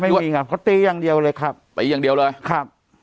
ตีครับเขาตีอย่างเดียวเลยครับตีอย่างเดียวเลยครับ